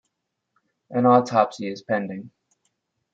An autopsy is pending.